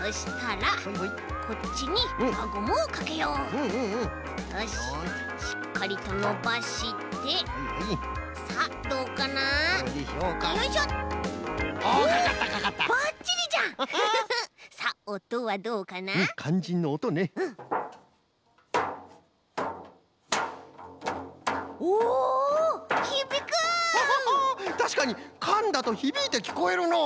たしかにかんだとひびいてきこえるのう。